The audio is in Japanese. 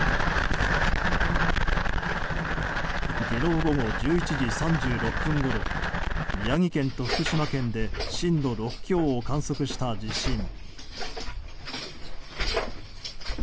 昨日午後１１時３６分ごろ宮城県と福島県で震度６強を観測した地震。